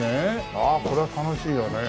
ああこりゃ楽しいわね。